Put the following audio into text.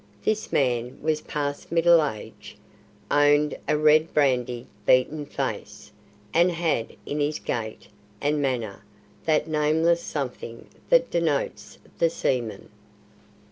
This man was past middle age, owned a red brandy beaten face, and had in his gait and manner that nameless something that denotes the seaman.